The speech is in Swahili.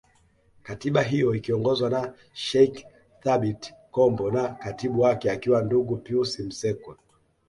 Katiba hiyo ikiongozwa na Sheikh Thabit Kombo na Katibu wake akiwa Ndugu Pius Msekwa